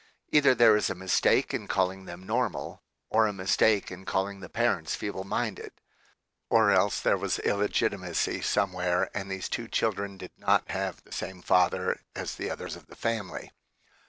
Either there is a mistake in calling them normal, or a mistake in calling the parents feeble minded ; or else there was illegitimacy somewhere and these two children did not have the same father as the others of the family.